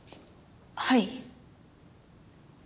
はい。